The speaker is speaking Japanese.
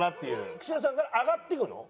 久代さんから上がっていくの？